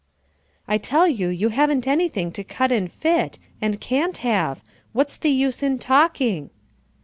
"I tell you you haven't anything to cut and fit, and can't have. What's the use in talking?"